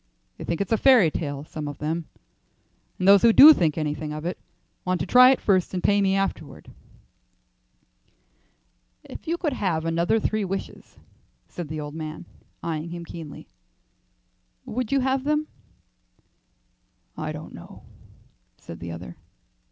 They think it's a fairy tale; some of them, and those who do think anything of it want to try it first and pay me afterward." "If you could have another three wishes," said the old man, eyeing him keenly, "would you have them?" "I don't know," said the other.